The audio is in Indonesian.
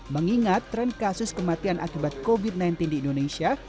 mengingat tren kasus kematian akibat covid sembilan belas di indonesia